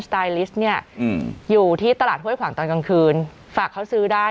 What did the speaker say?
ไตลิสต์เนี่ยอยู่ที่ตลาดห้วยขวางตอนกลางคืนฝากเขาซื้อได้